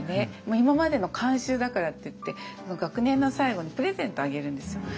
今までの慣習だからっていって学年の最後にプレゼントをあげるんですよ。